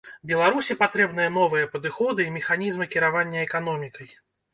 Беларусі патрэбныя новыя падыходы і механізмы кіравання эканомікай.